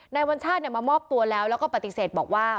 วัญชาติมามอบตัวแล้วแล้วก็ปฏิเสธบอกว่า